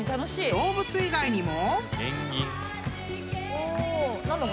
［動物以外にも］